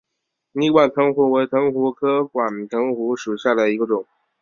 泥管藤壶为藤壶科管藤壶属下的一个种。